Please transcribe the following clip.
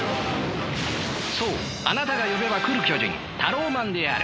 そうあなたが呼べば来る巨人タローマンである。